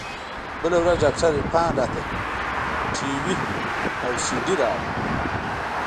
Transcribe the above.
بله ورځ ډاکتر عرفان راته ټي وي او سي ډي راوړه.